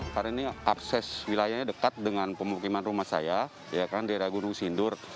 karena ini akses wilayahnya dekat dengan pemukiman rumah saya ya kan di ragunus indur